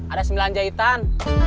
ada sembilan jahitan